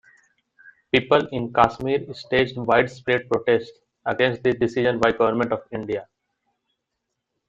People in Kashmir staged widespread protests against this decision by government of India.